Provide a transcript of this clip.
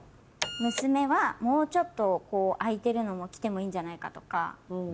娘はもうちょっと開いてるのも着てもいいんじゃないかとか。